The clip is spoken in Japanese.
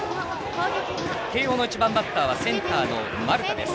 慶応の１番バッターはセンターの丸田です。